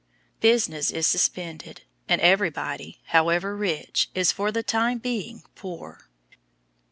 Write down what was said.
Business is suspended, and everybody, however rich, is for the time being poor.